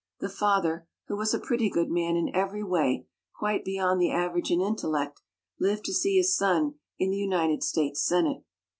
The father, who was a pretty good man in every way, quite beyond the average in intellect, lived to see his son in the United States Senate.